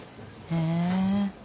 へえ。